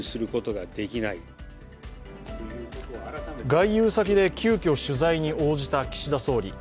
外遊先で急きょ、取材に応じた岸田総理。